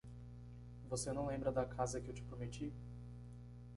Você não lembra da casa que eu te prometi?